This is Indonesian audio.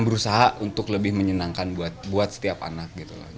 berusaha untuk lebih menyenangkan buat setiap anak